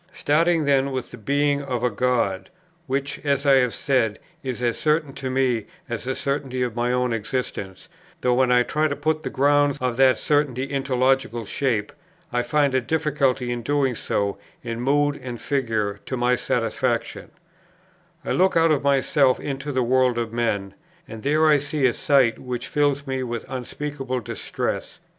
Starting then with the being of a God, (which, as I have said, is as certain to me as the certainty of my own existence, though when I try to put the grounds of that certainty into logical shape I find a difficulty in doing so in mood and figure to my satisfaction,) I look out of myself into the world of men, and there I see a sight which fills me with unspeakable distress.